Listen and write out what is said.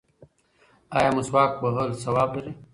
ایا مسواک وهل ثواب لري؟